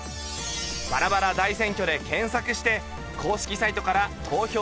「バラバラ大選挙」で検索して公式サイトから投票お願いします！